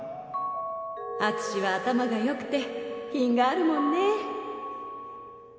敦は頭がよくて品があるもんね